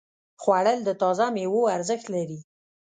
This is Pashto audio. خوړل د تازه ميوو ارزښت لري